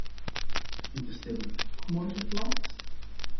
Vindt de stemming tóch morgen plaats?